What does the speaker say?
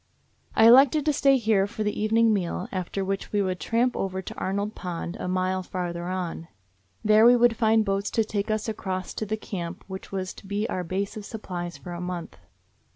I elected to stay here for the evening meal, after which we would tramp over to Arnold Pond, a mile farther on. There we would find boats to take us across to the camp which was to be our base of supplies for a month.